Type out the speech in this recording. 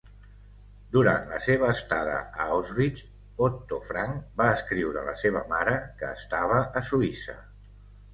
Durant la seva estada a Auschwitz, Otto Frank va escriure a la seva mare que estava a Suïssa.